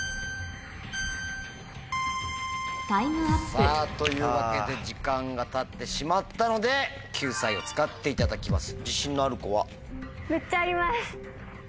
さぁというわけで時間がたってしまったので救済を使っていただきます。